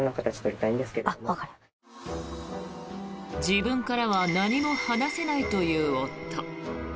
自分からは何も話せないという夫。